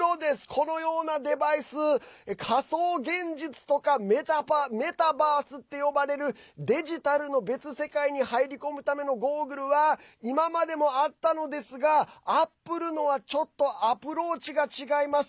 このようなデバイス仮想現実とかメタバースって呼ばれるデジタルの別世界に入り込むためのゴーグルは今までもあったのですがアップルのはちょっとアプローチが違います。